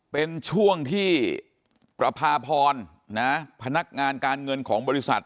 เป็นช่วงที่ประพาพรพนักงานการเงินของบริษัท